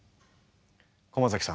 駒崎さん